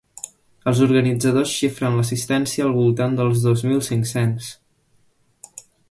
Els organitzadors xifren l’assistència al voltant dels dos mil cinc-cents.